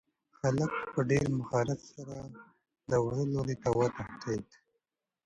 هلک په ډېر مهارت سره د وره لوري ته وتښتېد.